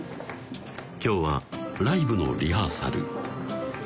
今日はライブのリハーサル